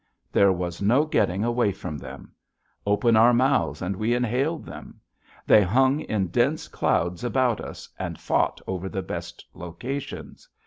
There was no getting away from them. Open our mouths and we inhaled them. They hung in dense clouds about us and fought over the best locations.